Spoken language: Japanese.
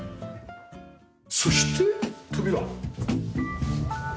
そして扉。